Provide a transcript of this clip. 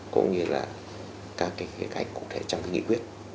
có nghĩa là các cái khía cạnh cụ thể trong cái nghị quyết